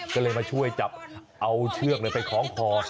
ก็เลยมาช่วยจับเอาเชือกไปคล้องคอ